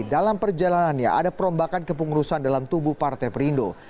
dalam perjalanannya ada perombakan kepengurusan dalam tubuh partai perindo